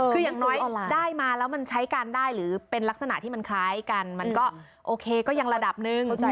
คืออย่างน้อยได้มาแล้วมันใช้กันได้หรือเป็นลักษณะที่มันคล้ายกันมันก็โอเคก็ยังระดับหนึ่ง